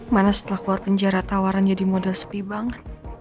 mana setelah keluar penjara tawaran jadi model sepi banget